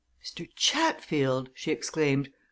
"Mr. Chatfield!" she exclaimed.